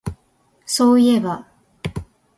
そういえば